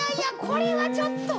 これはちょっと。